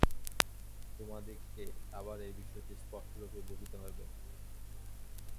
তোমাদিগকে আবার এই বিষয়টি স্পষ্টরূপে বুঝিতে হইবে।